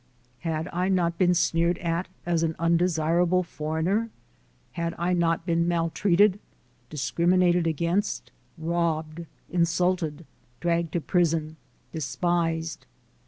Had I not been sneered at as an undesirable "foreigner?" Had I not been maltreated, discriminated against, robbed, insulted, dragged to prison, despised?